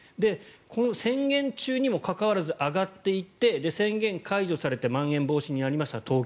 この宣言中にもかかわらず上がっていって宣言解除されてまん延防止になりました、東京。